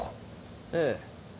ええ。